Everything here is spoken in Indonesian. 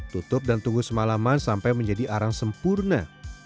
tutup dan tunggu semalaman sampai menjadi arang sempurna